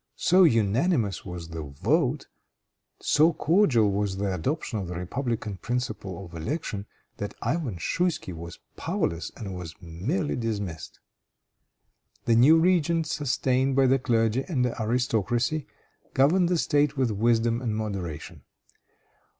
So unanimous was the vote, so cordial was the adoption of the republican principle of election, that Ivan Schouisky was powerless and was merely dismissed. The new regent, sustained by the clergy and the aristocracy, governed the State with wisdom and moderation.